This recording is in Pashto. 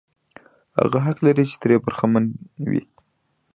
هغه حق لري چې ترې برخمن وي.